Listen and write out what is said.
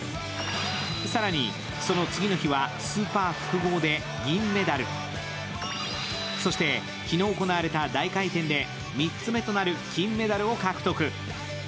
更に、その次の日はスーパー複合で銀メダル、そして昨日行われた大回転で３つ目となる金メダルを獲得。